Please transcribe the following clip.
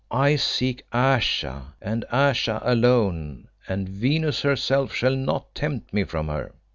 I seek Ayesha, and Ayesha alone, and Venus herself shall not tempt me from her."